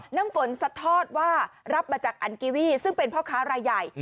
น้ำฝนสัดทอดว่ารับมาจากอันกิวีซึ่งเป็นพ่อค้ารายใหญ่